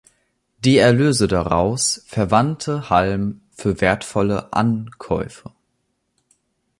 Die Erlöse daraus verwandte Halm für wertvolle Ankäufe.